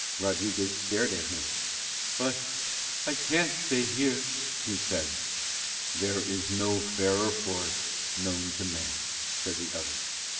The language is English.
Rodriguez stared at him. "But I can't stay here!" he said. "There is no fairer forest known to man," said the other.